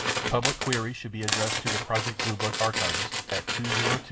Public queries should be addressed to the Project Blue Book archivist at (202) 501 5385.